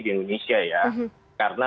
di indonesia ya karena